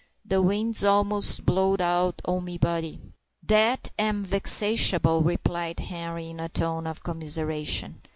The wind's a'most blowed out o' me body." "Dat am vexatiable," replied Henri, in a tone of commiseration.